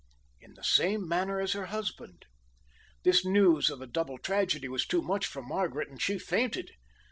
"In the same manner as her husband. This news of a double tragedy was too much for Margaret, and she fainted.